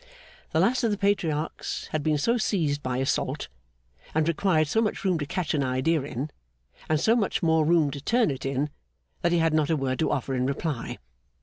The Last of the Patriarchs had been so seized by assault, and required so much room to catch an idea in, an so much more room to turn it in, that he had not a word to offer in reply.